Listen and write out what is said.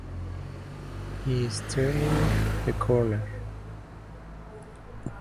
He’s turning the corner.